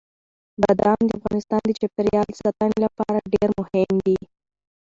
بادام د افغانستان د چاپیریال ساتنې لپاره ډېر مهم دي.